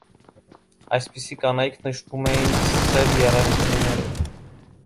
Այսպիսի կանայք նշվում էին «սև եռանկյունիներով»։